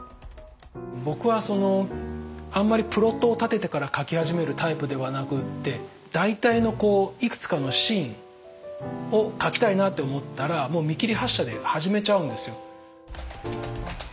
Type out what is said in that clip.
僕はそのあんまりプロットを立ててから書き始めるタイプではなくって大体のいくつかのシーンを書きたいなって思ったらもう見切り発車で始めちゃうんですよ。